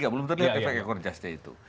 belum terlihat efek ekor jasnya itu